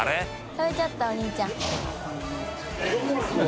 食べちゃったお兄ちゃん。